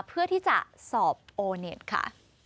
เพื่อที่จะสอบโอเนตค่ะ